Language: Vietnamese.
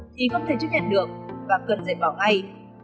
thì không thể chứng nhận được và cần dạy bỏ ngay